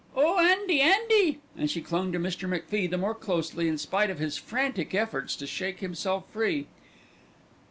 Oh! Andy, Andy!" and she clung to Mr. MacFie the more closely in spite of his frantic efforts to shake himself free.